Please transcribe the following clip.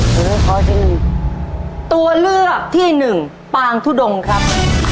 เลือกขอที่หนึ่งตัวเลือกที่หนึ่งปางทุดงครับ